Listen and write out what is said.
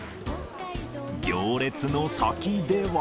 行列の先では。